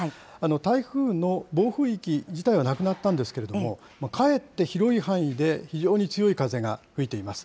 台風の暴風域自体はなくなったんですけれども、かえって広い範囲で非常に強い風が吹いています。